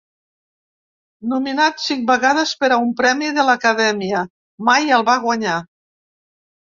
Nominat cinc vegades per a un Premi de l'Acadèmia, mai el va guanyar.